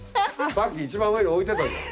さっき一番上に置いてたじゃん。